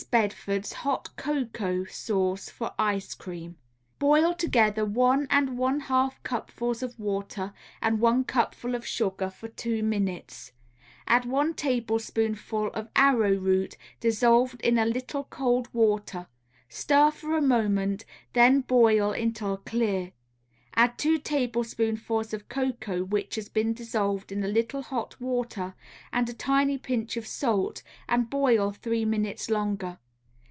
BEDFORD'S HOT COCOA SAUCE FOR ICE CREAM Boil together one and one half cupfuls of water and one cupful of sugar for two minutes; add one tablespoonful of arrowroot dissolved in a little cold water, stir for a moment, then boil until clear. Add two tablespoonfuls of cocoa which has been dissolved in a little hot water and a tiny pinch of salt and boil three minutes longer.